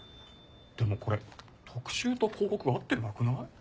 でもこれ特集と広告が合ってなくない？